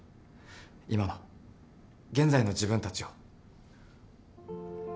今の現在の自分たちを。